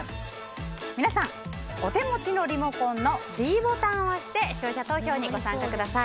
皆さん、お手持ちのリモコンのｄボタンを押して視聴者投票にご参加ください。